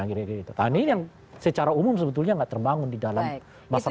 nah ini yang secara umum sebetulnya gak terbangun di dalam masyarakat politik kita